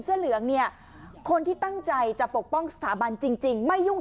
เสื้อเหลืองเนี่ยคนที่ตั้งใจจะปกป้องสถาบันจริงจริงไม่ยุ่ง